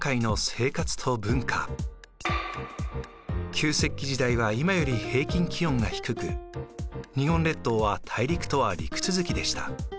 旧石器時代は今より平均気温が低く日本列島は大陸とは陸続きでした。